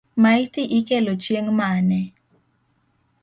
Maiti ikelo chieng’ mane?